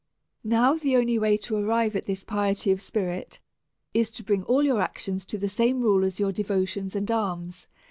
Now, the only way to arrive at this piety of spirit is to bring all your actions to the same rule as your devotions and alms.